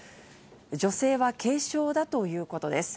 女性は軽傷だということです。